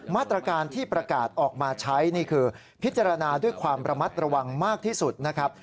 มาตรการที่ประกาศออกมาใช้นี่คือพิจารณาด้วยความระมัดระวังมากที่สุดนะครับ